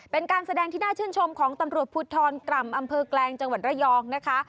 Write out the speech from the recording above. เป็นการแสดงที่น่าชื่นชมของตำรวจภูทรกล่ำอำเภอแกลงจังหวัดระยองนะคะ